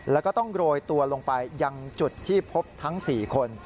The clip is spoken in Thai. แล้วก็ต้องโรยตัวลงไปยังจุดที่พบทั้ง๔คน